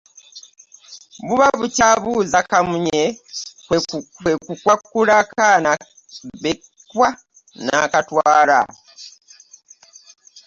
Buba bukyabuuza Kamunye kwe kukwakkula akaana be kkwa n’akatwala.